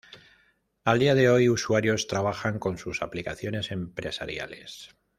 Al día de hoy, usuarios trabajan con sus aplicaciones empresariales.